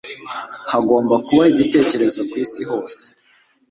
Hagomba kubaho igitekerezo ku isi hose